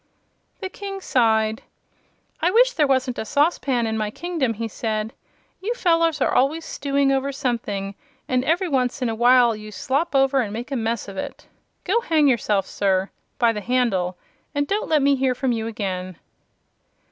The King sighed. "I wish there wasn't a saucepan in my kingdom," he said. "You fellows are always stewing, over something, and every once in a while you slop over and make a mess of it. Go hang yourself, sir by the handle and don't let me hear from you again."